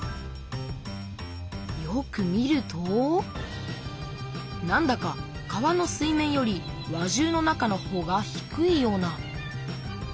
よく見るとなんだか川の水面より輪中の中のほうが低いような。